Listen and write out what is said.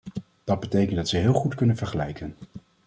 Dat betekent dat ze heel goed kunnen vergelijken.